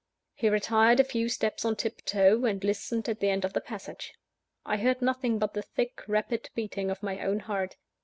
He retired a few steps on tiptoe, and listened at the end of the passage. I heard nothing but the thick, rapid beating of my own heart.